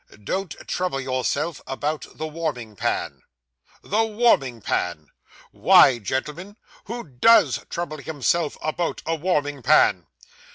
"Don't trouble yourself about the warming pan." The warming pan! Why, gentlemen, who _does _trouble himself about a warming pan?